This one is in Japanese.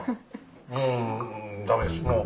うん駄目ですもう。